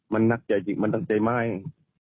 มันนักใจจริงมันนักใจมากเอง